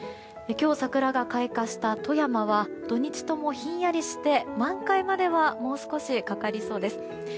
今日、桜が開花した富山は土日ともひんやりして満開まではもう少しかかりそうです。